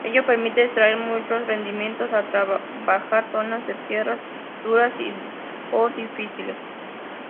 Ello permitía extraer mucho rendimiento al trabajar zonas de tierras duras o difíciles.